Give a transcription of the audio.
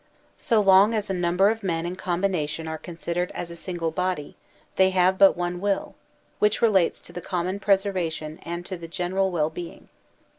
* So LONG as a number of men in combination are con sidered as a single body, they have but one will, which relates to the common preservation and to the general well being.